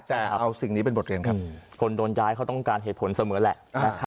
แต่เอาสิ่งนี้เป็นบทเรียนครับคนโดนย้ายเขาต้องการเหตุผลเสมอแหละ